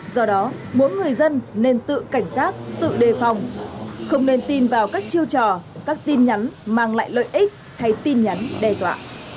do đó mỗi người dân nên tự cảnh giác tự đề phòng không nên tin vào các chiêu trò các tin nhắn mang lại lợi ích hay tin nhắn đe dọa